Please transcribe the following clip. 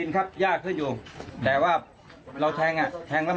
ครับ